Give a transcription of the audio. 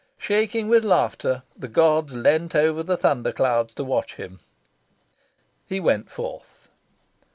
Shaking with laughter, the gods leaned over the thunder clouds to watch him. He went forth.